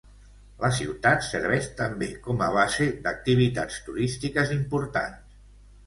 La ciutat serveix també com a base d'activitats turístiques importants.